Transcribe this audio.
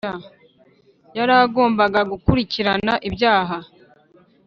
yaragombaga gukurikirana ibyaha